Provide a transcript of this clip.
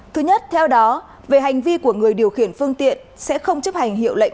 thứ nhất theo đó về hành vi của người điều khiển phương tiện sẽ không chấp hành hiệu lệnh